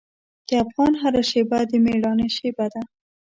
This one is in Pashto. د افغان هره شېبه د میړانې شېبه ده.